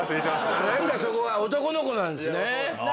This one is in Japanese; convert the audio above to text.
何かそこは男の子なんですね。